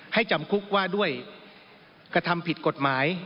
จำคุกว่าด้วยกระทำผิดกฎหมาย